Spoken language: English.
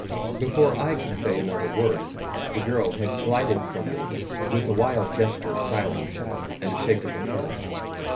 Before I could say another word, the girl had glided from me, with a wild gesture of silence, and a shake of her head.